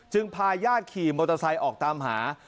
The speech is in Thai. พาญาติขี่มอเตอร์ไซค์ออกตามหา